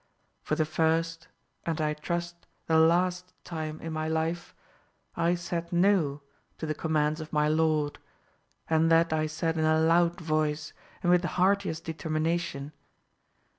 For the first, and I trust the last time in my life, I said 'No' to the commands of my lord; and that I said in a loud voice, and with the heartiest determination.